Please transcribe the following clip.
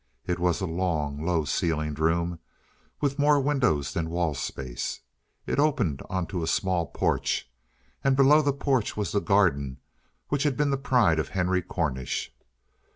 It was a long, low ceilinged room, with more windows than wall space. It opened onto a small porch, and below the porch was the garden which had been the pride of Henry Cornish.